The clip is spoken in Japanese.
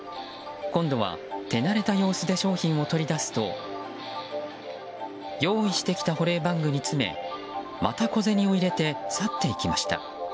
今度は手慣れた様子で商品を取り出すと用意してきた保冷バッグに詰めまた小銭を入れて去っていきました。